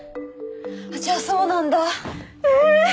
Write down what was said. じゃあそうなんだええー